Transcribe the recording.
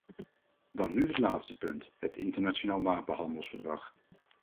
Dan nu het laatste punt: het internationaal wapenhandelsverdrag.